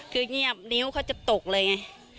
คือเงียบนิ้วเขาจะตกเลยไง